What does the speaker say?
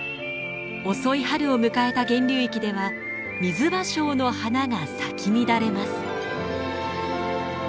遅い春を迎えた源流域ではミズバショウの花が咲き乱れます。